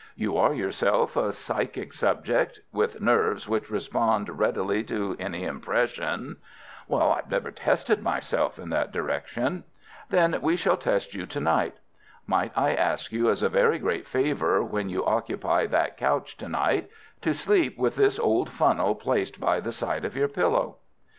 You are yourself a psychic subject—with nerves which respond readily to any impression." "I have never tested myself in that direction." "Then we shall test you to night. Might I ask you as a very great favour, when you occupy that couch to night, to sleep with this old funnel placed by the side of your pillow?"